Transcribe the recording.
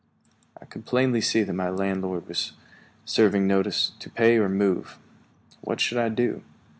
I could plainly see that my landlord was serving notice to pay or move. What should I do?